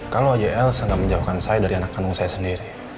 kalau aja elsa gak menjauhkan saya dari anak kandung saya sendiri